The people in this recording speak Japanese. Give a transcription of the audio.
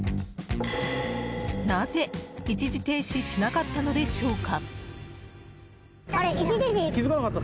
なぜ一時停止しなかったのでしょうか。